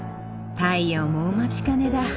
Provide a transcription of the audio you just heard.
太陽もお待ちかねだ。